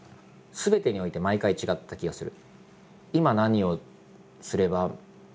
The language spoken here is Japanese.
すべてにおいて毎回違った気がする。